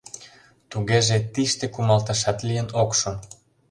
Тугеже тиште кумалтышат лийын ок шу...